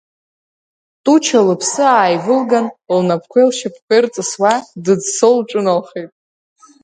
Туча лыԥсы ааивылган, лнапқәеи лшьапқәеи рҵысуа, дыӡсо, лҿыналхеит.